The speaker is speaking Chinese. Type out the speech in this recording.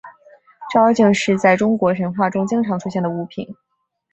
照妖镜是在中国神话中经常出现的物品。